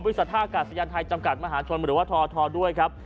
ท่ากาศยานไทยจำกัดมหาชนหรือว่าททด้วยครับ